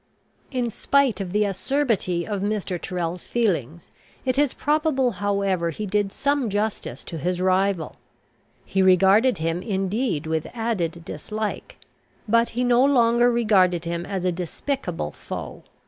In spite of the acerbity of Mr. Tyrrel's feelings, it is probable, however, he did some justice to his rival. He regarded him, indeed, with added dislike; but he no longer regarded him as a despicable foe.